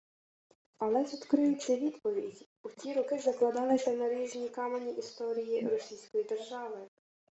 Але тут і криється відповідь: у ті роки закладалися наріжні камені історії Російської держави